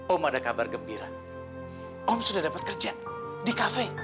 om ada kabar gembira om sudah dapat kerja di kafe